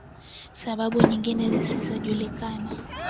Sababu nyingine zisizojulikana